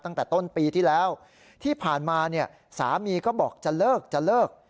ตั้งแต่ต้นปีที่แล้วที่ผ่านมาเนี่ยสามีก็บอกจะเลิกจะเลิก